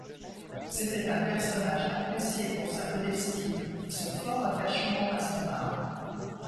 C'était un personnage apprécié pour sa modestie et son fort attachement à son art.